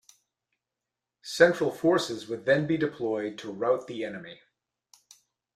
Central forces would then be deployed to rout the enemy.